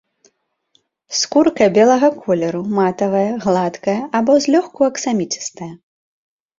Скурка белага колеру, матавая, гладкая або злёгку аксаміцістая.